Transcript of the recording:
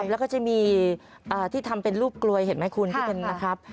แล้วก็จะมีที่ทำเป็นรูปกลวยเห็นไหมคุณที่เป็นนะครับ